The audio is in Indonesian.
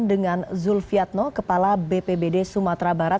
dengan zulfiatno kepala bpbd sumatera barat